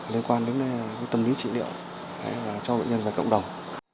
liên quan đến tâm lý trị liệu cho bệnh nhân và cộng đồng